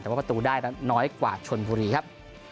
แต่ว่าประตูได้นั้นน้อยกว่าชนบุรีครับ